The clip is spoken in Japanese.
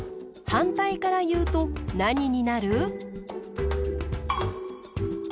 はんたいからいうとなにになる？